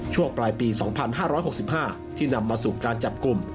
ช่วงปลายปี๒๕๖๕ที่นำมาสู่การจับกลุ่ม